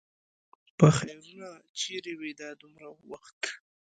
پخيرونو! چېرې وې دا دومره وخت؟